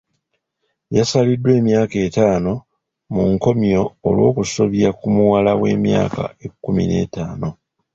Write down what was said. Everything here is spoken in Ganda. Yasaliddwa emyaka etaano mu nkomyo olw'okusobya ku muwala w'emyaka ekkumi n'etaano.